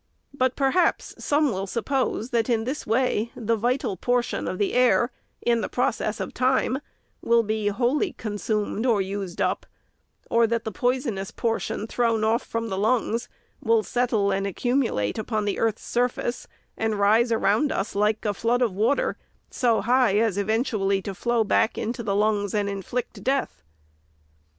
But, perhaps some will suppose, that, in this way, the vital portion of the air, in process of time, will be wholly con sumed or used up ; or that the poisonous portion, thrown off from the lungs, will settle and accumulate upon the earth's surface, and rise around us, like a flood of water, so high as eventually to flow back into the lungs, and inflict death.